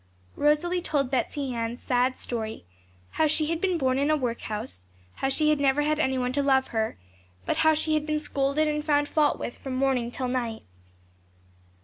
Rosalie told Betsey Ann's sad story: how she had been born in a workhouse; how she had never had any one to love her, but how she had been scolded and found fault with from morning till night.